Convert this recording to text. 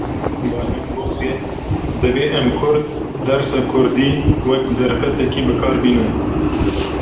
Bayram Bozyel: Divê em Kurd dersa kurdî wek derfetekê bikar bînin